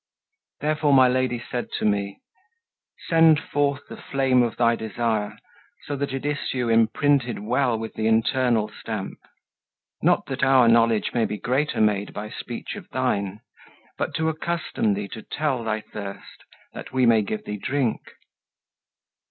Therefore my Lady said to me: "Send forth The flame of thy desire, so that it issue Imprinted well with the internal stamp; Not that our knowledge may be greater made By speech of thine, but to accustom thee To tell thy thirst, that we may give thee drink."